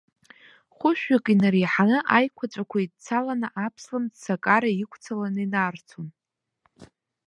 Хәышәҩык инареиҳаны аиқәаҵәақәа еидцаланы, аԥслымӡ сакара иқәцаланы инарцон.